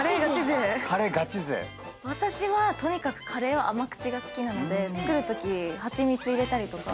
私はとにかくカレーは甘口が好きなので作るとき蜂蜜入れたりとか。